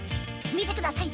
みてください！